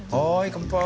乾杯！